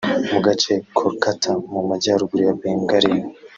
mu gace ka Kolkata mu majyaruguru ya ya Bengal